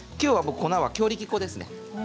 粉は強力粉です。